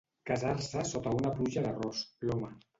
Casar-se sota una pluja d'arròs, l'home.